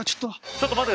ちょっと待って。